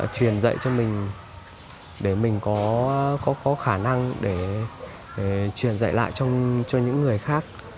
truyền dạy cho mình để mình có khả năng để truyền dạy lại cho những người khác